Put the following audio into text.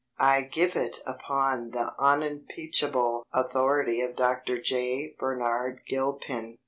I give it upon the unimpeachable authority of Dr. J. Bernard Gilpin.